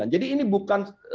jadi ini bukan